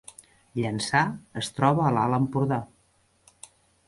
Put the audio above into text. Llançà es troba a l’Alt Empordà